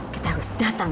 kita harus datang